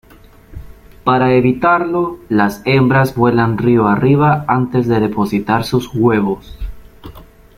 Para evitarlo, las hembras vuelan río arriba antes de depositar sus huevos.